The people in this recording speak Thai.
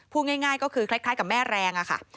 พูดง่ายก็คือคล้ายกับแม่แรงอะค่ะ